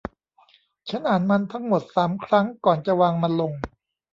ฉันอ่านมันทั้งหมดสามครั้งก่อนจะวางมันลง